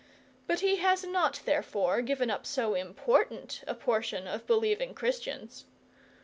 But he has not, therefore, given up so important a portion of believing Christians.